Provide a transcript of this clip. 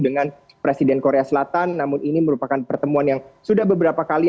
dengan presiden korea selatan namun ini merupakan pertemuan yang sudah beberapa kali